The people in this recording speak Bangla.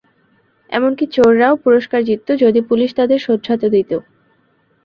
এমনকি চোররাও পুরস্কার জিততো যদি পুলিশ তাদের শোধরাতে দিতো।